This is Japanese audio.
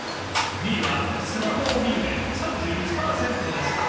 ２位は「スマホを見る」で３１パーセントでした